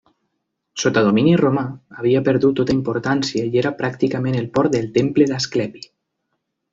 Sota domini romà, havia perdut tota importància i era pràcticament el port del Temple d'Asclepi.